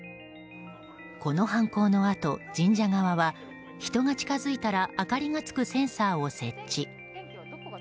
この犯行のあと神社側は人が近づいたら明かりがつくセンサーを設置。